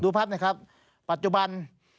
ภาพนะครับปัจจุบัน